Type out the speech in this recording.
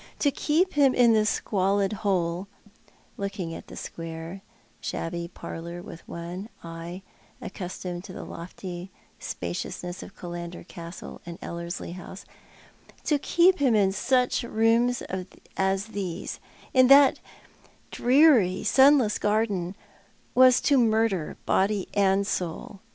To keep him in this squalid hole," looking at the square, shabby parlour with eyes accustomed to the lofty spaciousness of Killander Castle and EUerslie House, " to keep him in such rooms as these — in that dreary, sunless garden — was to murder body and soul.